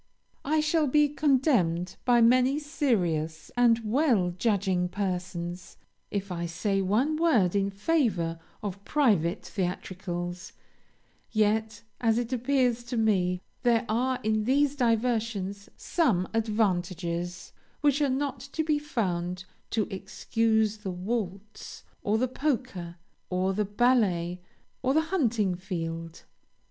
I shall be condemned by many serious and well judging persons, if I say one word in favor of private theatricals; yet, as it appears to me, there are in these diversions some advantages which are not to be found to excuse the waltz, or the polka, or the ballet, or the hunting field.